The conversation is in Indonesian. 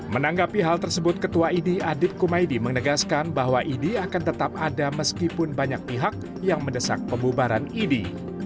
menanggapi hal tersebut ketua idi adib kumaydi menegaskan bahwa idi akan tetap ada meskipun banyak pihak yang mendesak pembubaran idi